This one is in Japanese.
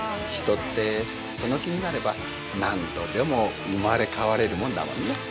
人ってその気になれば何度でも生まれ変われるもんだもんね。